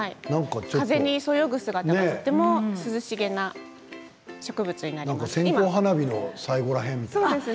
風にそよぐ姿がとても涼しげな植物です。